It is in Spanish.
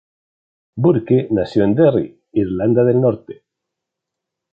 Burke nació en Derry, Irlanda del Norte.